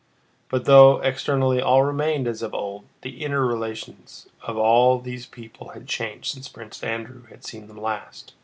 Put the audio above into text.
But though externally all remained as of old, the inner relations of all these people had changed since Prince Andrew had seen them last.